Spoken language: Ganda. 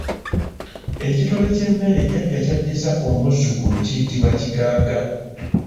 Ekitole ky'emmere jajja ky'addiza omuzzukulu kiyitibwa kigaaga.